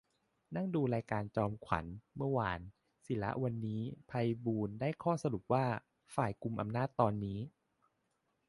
นั่งดูรายการจอมขวัญ เมื่อวาน สิระ วันนี้ ไพบูลย์ ได้ข้อสรุปว่า ฝ่ายกุมอำนาจตอนนี้